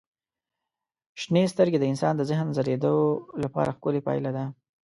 شنې سترګې د انسان د ذهن د ځلېدو لپاره ښکلي پایله ده.